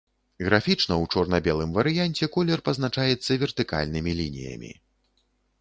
Графічна ў чорна-белым варыянце колер пазначаецца вертыкальнымі лініямі.